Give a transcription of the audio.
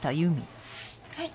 はい？